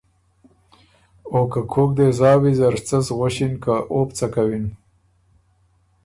او که کوک دې زا ویزر څۀ سو غؤݭی که او بو څۀ کوِن۔